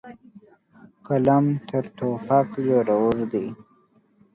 قلم تر توپک زورور دی.